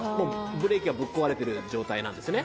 ブレーキがぶっ壊れてる状態なんですね